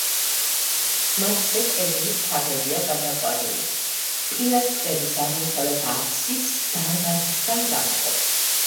მათზე კედლის თაღებია გადაყვანილი, პილასტრების აღმოსავლეთ აფსიდს დარბაზისგან გამოყოფს.